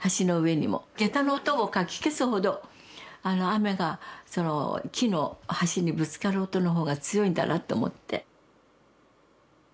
下駄の音をかき消すほど雨が木の橋にぶつかる音の方が強いんだなと思って。